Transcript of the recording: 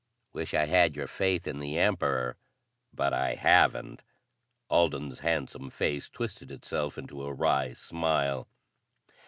"Wish I had your faith in the Emperor but I haven't." Alden's handsome face twisted itself into a wry smile.